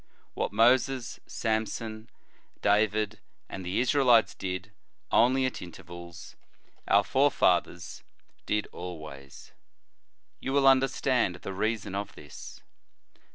What Moses, Samson, David, and the Israelites did only at intervals, our forefathers IO4 The Sign of the Cross did always ; you will understand the reason of this.